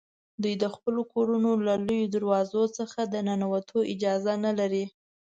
دوی د خپلو کورونو له لویو دروازو څخه د ننوتو اجازه نه لري.